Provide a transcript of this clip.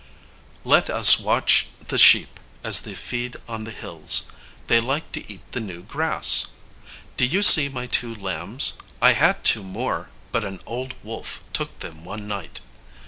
] Let us watch the sheep as they feed on the hills. They like to eat the new grass. Do you see my two lambs? I had two more; but an old wolf took them one night.